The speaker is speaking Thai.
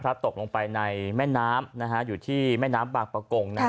พลัดตกลงไปในแม่น้ำนะฮะอยู่ที่แม่น้ำบากปะกงนะครับ